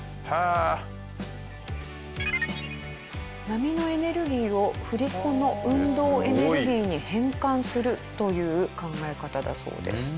波のエネルギーを振り子の運動エネルギーに変換するという考え方だそうです。